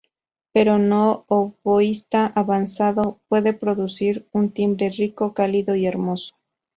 Pero un oboísta avanzado puede producir un timbre rico, cálido y hermoso.